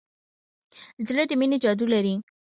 زړه د مینې جادو لري.